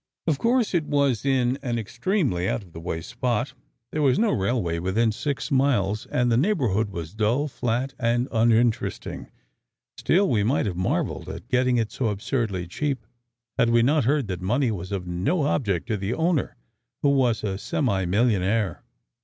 Of course it was in an extremely out of the way spot; there was no railway within six miles and the neighbourhood was dull, flat and uninteresting; still we might have marvelled at getting it so absurdly cheap, had we not heard that money was of no object to the owner, who was a semi millionaire.